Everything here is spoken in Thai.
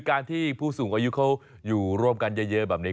การที่ผู้สูงอายุเขาอยู่ร่วมกันเยอะแบบนี้